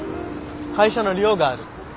会社の寮がある。